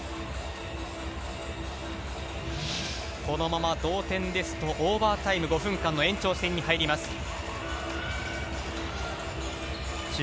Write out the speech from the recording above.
このまま同点ですとオーバータイム５分間の延長戦に入ります。